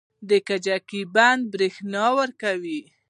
د کجکي بند بریښنا ورکوي